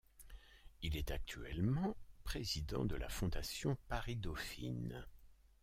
Il est actuellement président de la Fondation Paris-Dauphine.